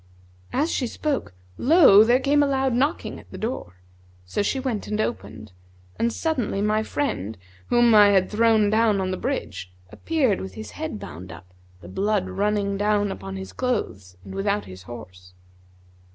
As she spoke lo! there came a loud knocking at the door; so she went and opened, and suddenly, my friend, whom I had thrown down on the bridge, appeared with his head bound up, the blood running down upon his clothes and without his horse.